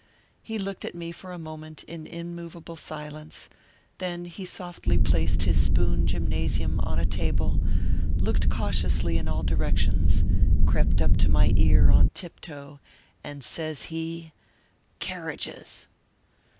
He looked at me for a moment in immovable silence ; then ho softly placed his spoon gymnasium on a table, looked cautiously in all directions, crept up to my ear on tiptoe, and says he : "Kerridges!"